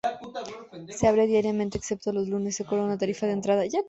Se abre diariamente excepto los lunes; se cobra una tarifa de entrada.